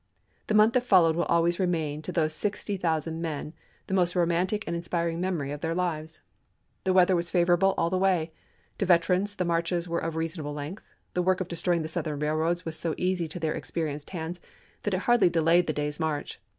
The month that followed will always remain to those sixty thousand men the most THE MAKCH TO THE SEA 485 romantic and inspiring memory of their lives, chap.xx. The weather was favorable all the way ; to veterans im. the marches were of reasonable length ; the work of destroying the Southern railroads was so easy to their experienced hands that it hardly delayed the day's march.